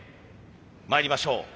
まいりましょう。